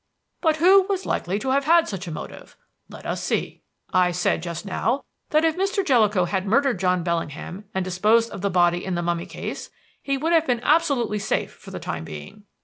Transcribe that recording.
"But who was likely to have had such a motive? Let us see. "I said just now that if Mr. Jellicoe had murdered John Bellingham and disposed of the body in the mummy case, he would have been absolutely safe for the time being.